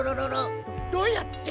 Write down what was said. どうやって？